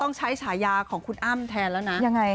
พี่แจ๊คใช้ยาของคุณอ้ำแทนแล้วนะ